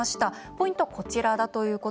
ポイントは、こちらです。